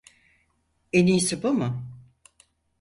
En iyisi bu mu?